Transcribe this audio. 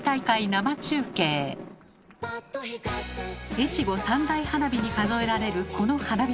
「越後三大花火」に数えられるこの花火大会。